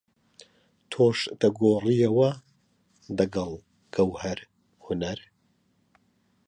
تۆش دەگۆڕیەوە دەگەڵ گەوهەر هونەر؟